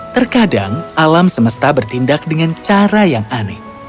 terkadang alam semesta bertindak dengan cara yang aneh